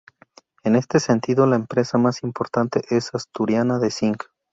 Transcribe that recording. En este sentido, la empresa más importante es Asturiana de Zinc.